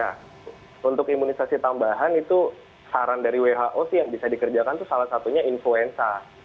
nah untuk imunisasi tambahan itu saran dari who sih yang bisa dikerjakan itu salah satunya influenza